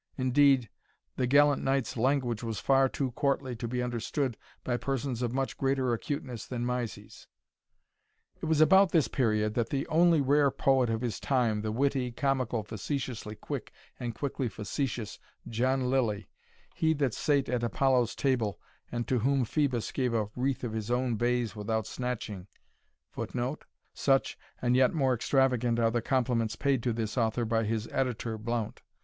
Indeed, the gallant knight's language was far too courtly to be understood by persons of much greater acuteness than Mysie's. It was about this period, that the "only rare poet of his time, the witty, comical, facetiously quick, and quickly facetious, John Lylly he that sate at Apollo's table, and to whom Phoebus gave a wreath of his own bays without snatching" [Footnote: Such, and yet more extravagant, are the compliments paid to this author by his editor, Blount.